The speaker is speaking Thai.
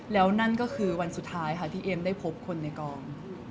แล้วนั่นก็คือวันสุดท้ายค่ะที่เอ็มได้พบคนในกอง